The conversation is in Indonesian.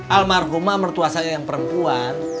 almarhumah mertua saya yang perempuan